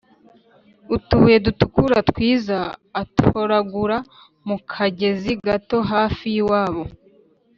utubuye dutukura twiza atoragura mu kagezi gato hafi y’iwabo